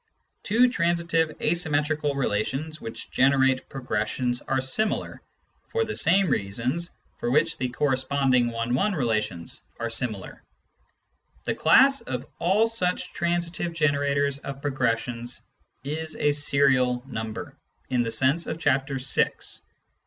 Two transitive asymmetrical relations which generate pro gressions are similar, for the same reasons for which the cor responding one one relations are similar. The class of all such transitive generators of progressions is a " serial number " in the sense of Chapter VI .